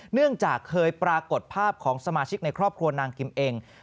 เนื่องจากเคยปรากฏภาพของสมาชิกในครอบครัวนางกิมเอง